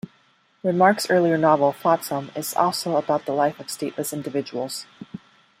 Remarque's earlier novel "Flotsam" is also about the life of stateless individuals.